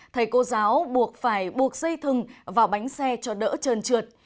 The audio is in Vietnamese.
thầy cô giáo buộc phải buộc dây thừng vào bánh xe cho đỡ trờn trượt